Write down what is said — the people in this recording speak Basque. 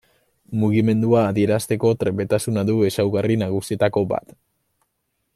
Mugimendua adierazteko trebetasuna du ezaugarri nagusietako bat.